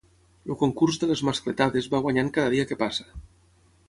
El concurs de les mascletades va guanyant cada dia que passa.